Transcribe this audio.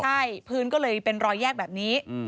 ใช่พื้นก็เลยเป็นรอยแยกแบบนี้